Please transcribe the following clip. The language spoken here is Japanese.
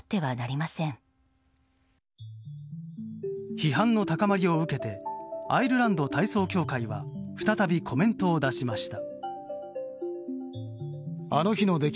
批判の高まりを受けてアイルランド体操協会は再びコメントを出しました。